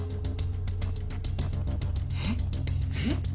えっ？えっ？